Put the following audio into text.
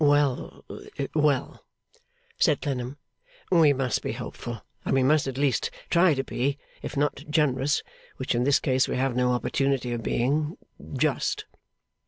'Well, well!' said Clennam, 'we must be hopeful, and we must at least try to be, if not generous (which, in this case, we have no opportunity of being), just.